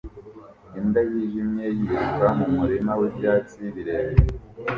Imbwa yijimye yiruka mumurima wibyatsi birebire